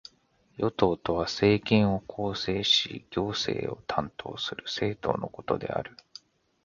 与党とは、政権を構成し行政を担当する政党のことである。